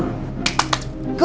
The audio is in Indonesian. ya udah aku mau tidur